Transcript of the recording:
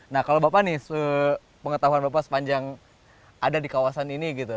nah kalau pengetahuan bapak sepanjang ada di kawasan ini